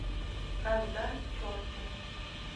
Каза — чорту!